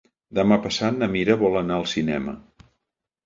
Demà passat na Mira vol anar al cinema.